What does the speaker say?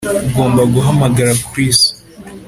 Ugomba guhamagara Chris